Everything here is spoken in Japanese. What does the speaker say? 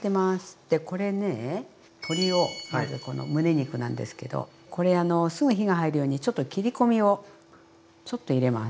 でこれね鶏をまずこのむね肉なんですけどこれあのすぐ火が入るようにちょっと切り込みを入れます。